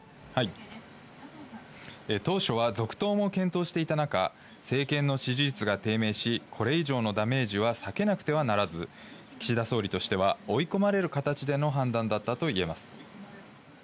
当初は続投も検討していた中、政権の支持率が低迷し、これ以上のダメージは避けなくてはならず、岸田総理としては、追い込まれる形での判断だったと言えます。